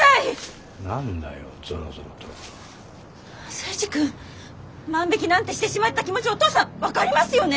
征二君万引きなんてしてしまった気持ちお父さん分かりますよね。